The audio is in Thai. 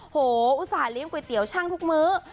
โหอุตส่าหลิงก๋วยเตี๋ยช่างทุกมื้อ